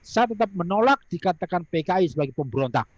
saya tetap menolak dikatakan pki sebagai pemberontak